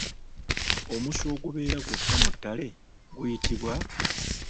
Omusu ogubeera gwokka mu ttale guyitibwa?